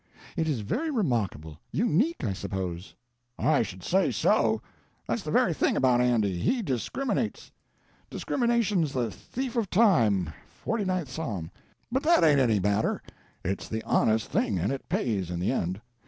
It is very remarkable. Unique, I suppose." "I should say so. That's the very thing about Andy—he discriminates. Discrimination's the thief of time—forty ninth Psalm; but that ain't any matter, it's the honest thing, and it pays in the end."